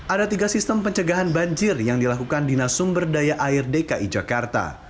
ada tiga sistem pencegahan banjir yang dilakukan dinas sumber daya air dki jakarta